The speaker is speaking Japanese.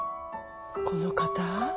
この方？